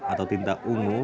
atau tinta ungu